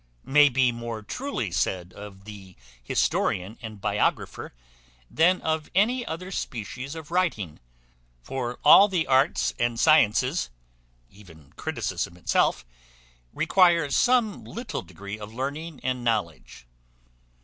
may be more truly said of the historian and biographer, than of any other species of writing; for all the arts and sciences (even criticism itself) require some little degree of learning and knowledge.